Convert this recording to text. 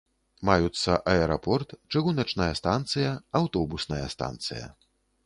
Маюцца аэрапорт, чыгуначная станцыя, аўтобусная станцыя.